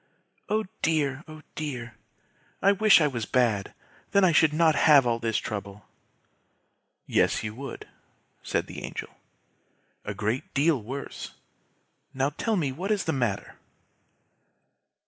Oh dear! Oh dear! I wish I was bad; then I should not have all this trouble." "Yes, you would," said the Angel; "a great deal worse. Now tell me what is the matter!"